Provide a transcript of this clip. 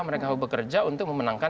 mereka bekerja untuk memenangkan